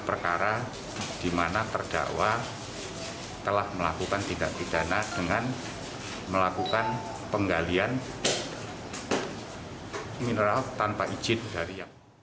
perkara di mana terdakwa telah melakukan tindak pidana dengan melakukan penggalian mineral tanpa izin dari yang